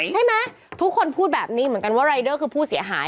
ใช่ไหมทุกคนพูดแบบนี้เหมือนกันว่ารายเดอร์คือผู้เสียหาย